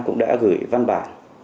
cũng đã gửi văn bản